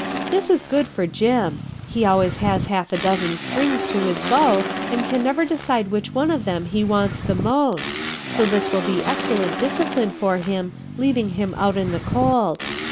This is good for Jim; he always has half a dozen strings to his bow and can never decide which one of them he wants the most; so this will be excellent discipline for him, leaving him out in the cold.